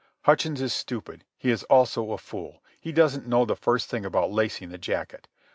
Hutchins is stupid. He is also a fool. He doesn't know the first thing about lacing the jacket.